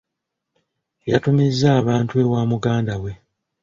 Yatumizza abantu ewa muganda we.